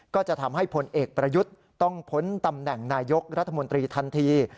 ก็จะทำให้พลเอกประยุทธ์ต้องพ้นตำแหน่งนายกรัฐมนตรีทันที